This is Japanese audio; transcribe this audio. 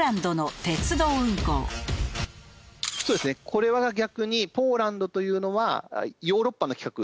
これは逆にポーランドというのはヨーロッパの規格。